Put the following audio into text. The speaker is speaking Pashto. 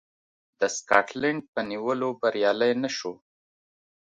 د سکاټلنډ په نیولو بریالی نه شو.